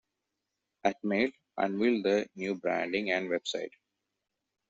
Atmail unveil their new branding and website.